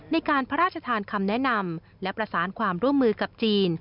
ในการพระราชทานคำแนะนำและประสานความร่วมมือกับจีน